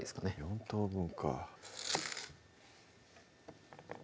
４等分か